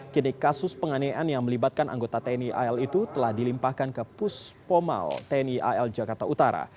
kini kasus penganiayaan yang melibatkan anggota tni al itu telah dilimpahkan ke pus pomal tni al jakarta utara